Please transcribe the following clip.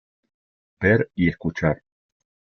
Ver y escuchar